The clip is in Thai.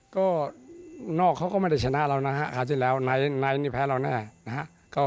ก็นอกเขาก็ไม่ได้ชนะเรานะฮะคราวที่แล้วนายนี่แพ้เราแน่นะฮะ